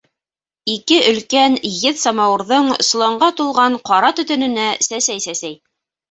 Ике өлкән еҙ самауырҙың соланға тулған ҡара төтөнөнә сәсәй-сәсәй: